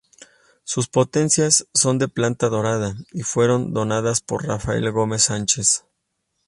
Sus potencias son de plata dorada, y fueron donadas por Rafael Gómez Sánchez.